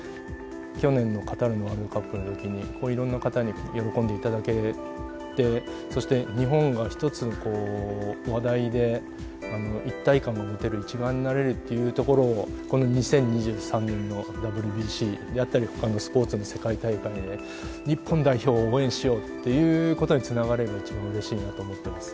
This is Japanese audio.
去年のカタールのワールドカップの時にいろんな方に喜んでいただけてそして日本が１つの話題で一体感が持てる一丸になれるっていうところをこの２０２３年のＷＢＣであったり他のスポーツの世界大会で日本代表を応援しようっていう事につながれば一番うれしいなと思ってます。